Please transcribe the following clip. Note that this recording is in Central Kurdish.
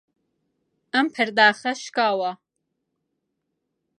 ئەم پەرداخە شکاوە.